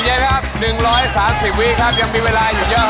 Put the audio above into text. ใจเย็นครับ๑๓๐วีครับยังมีเวลาอยู่เยอะครับ